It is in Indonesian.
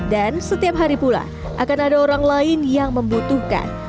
dan setiap hari pula akan ada orang lain yang membutuhkan